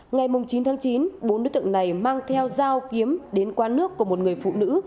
ngày chín tháng chín bốn đối tượng này mang theo dao kiếm đến quán nước của một người phụ nữ